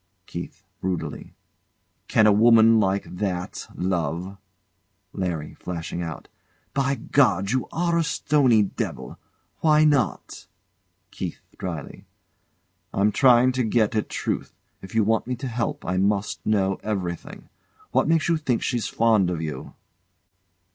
KEITH. [Brutally] Can a woman like that love? LARRY. [Flashing out] By God, you are a stony devil! Why not? KEITH. [Dryly] I'm trying to get at truth. If you want me to help, I must know everything. What makes you think she's fond of you?